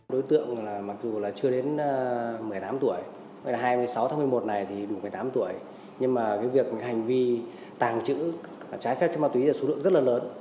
đối tượng mặc dù là chưa đến một mươi tám tuổi vậy là hai mươi sáu tháng một mươi một này thì đủ một mươi tám tuổi nhưng mà cái việc hành vi tàng trữ trái phép chất ma túy là số lượng rất là lớn